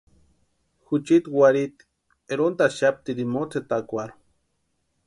Juchiti warhiiti erontaxaptirini motsetarakwarhu.